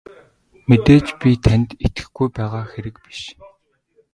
Мэдээж би танд итгэхгүй байгаа хэрэг биш.